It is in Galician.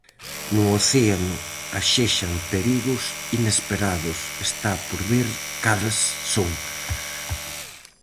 No océano axexan perigos inesperados, está por ver cales son.